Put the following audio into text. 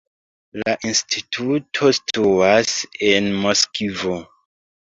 La instituto situas en Moskvo.